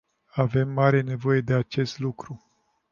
Avem mare nevoie de acest lucru.